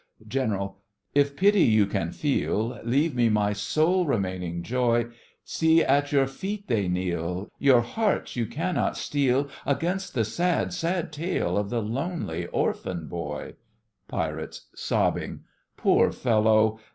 GENERAL: If pity you can feel, Leave me my sole remaining joy— See, at your feet they kneel; Your hearts you cannot steel Against the sad, sad tale of the lonely orphan boy! PIRATES: Poor fellow!